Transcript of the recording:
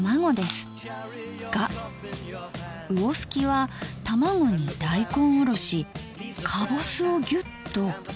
が魚すきは卵に大根おろしかぼすをギュッと。